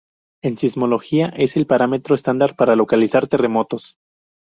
En sismología, es el parámetro estándar para localizar terremotos.